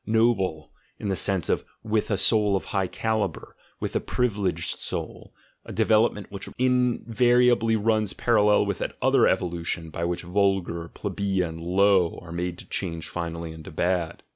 "noble," in the sense of "with a soul of high calibre." "with a privileged soul" — a development which invariably runs parallel with that other evolution by which "vulvar." "plebeian," "low," are made to change finally into "bad."